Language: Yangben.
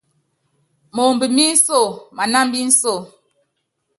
Moomb mí nso manámb inso.